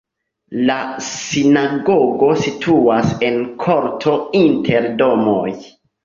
La sinagogo situas en korto inter domoj.